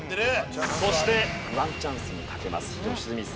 そしてワンチャンスにかけます良純さん。